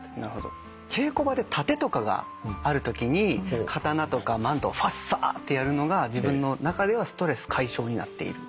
稽古場で殺陣とかがあるときに刀とかマントをファサってやるのが自分の中ではストレス解消になっている。